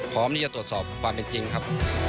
พร้อมที่จะโตศพอเป็นจริงครับ